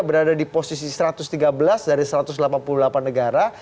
berada di posisi satu ratus tiga belas dari satu ratus delapan puluh delapan negara